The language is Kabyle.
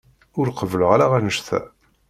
Ur qebbleɣ ara annect-a.